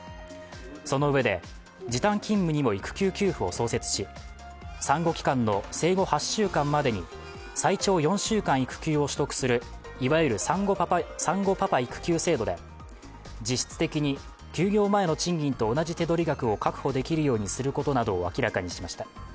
そのうえで、時短勤務にも育休給付を創設し産後期間の生後８週間までに最長４週間育休を取得するいわゆる産後パパ育休制度で実質的に休業前の賃金と同じ手取り額を確保できるようにすることなどを明らかにしました。